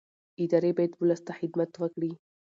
ادارې باید ولس ته خدمت وکړي